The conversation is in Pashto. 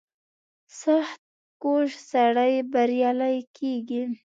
• سختکوش سړی بریالی کېږي.